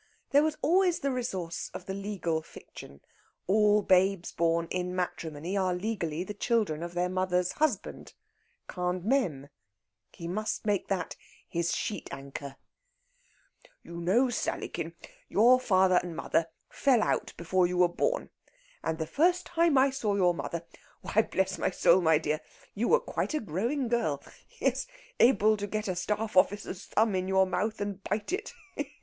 There was always the resource of the legal fiction; all babes born in matrimony are legally the children of their mother's husband, quand même. He must make that his sheet anchor. "You know, Sallykin, your father and mother fell out before you were born. And the first time I saw your mother why, bless my soul, my dear! you were quite a growing girl yes, able to get a staff officer's thumb in your mouth, and bite it.